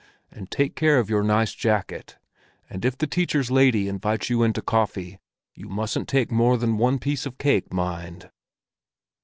And take care of your nice jacket. And if the teacher's lady invites you in to coffee, you mustn't take more than one piece of cake, mind."